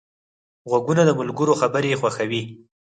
غوږونه د ملګرو خبرې خوښوي